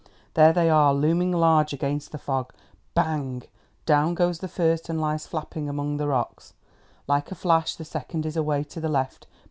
There they are, looming large against the fog. Bang! down goes the first and lies flapping among the rocks. Like a flash the second is away to the left.